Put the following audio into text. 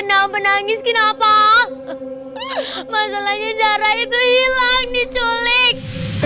nangis kenapa masalahnya jarak itu hilang diculik